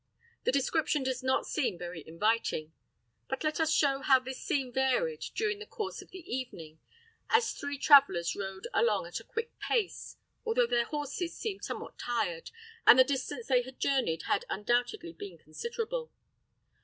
The description does not seem very inviting. But let us show how this scene varied during the course of the evening, as three travelers rode along at a quick pace, although their horses seemed somewhat tired, and the distance they had journeyed had undoubtedly been considerable.